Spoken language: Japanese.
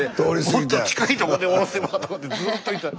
もっと近いとこで降ろせばとかってずっと言ってた。